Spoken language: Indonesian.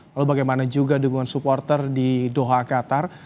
lalu bagaimana juga dukungan supporter di doha qatar